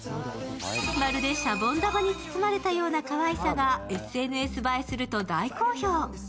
まるでしゃぼん玉に包まれたようなかわいさがＳＮＳ映えすると大好評。